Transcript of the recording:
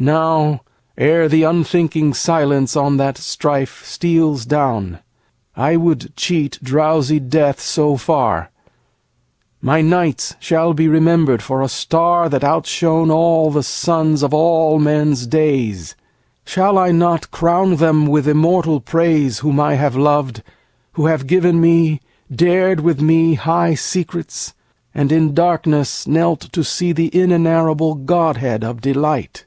Now, ere the unthinking silence on that strife Steals down, I would cheat drowsy Death so far, My night shall be remembered for a star That outshone all the suns of all men's days. Shall I not crown them with immortal praise Whom I have loved, who have given me, dared with me High secrets, and in darkness knelt to see The inenarrable godhead of delight?